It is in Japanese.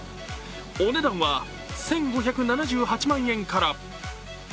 お値段は１５７８万円から。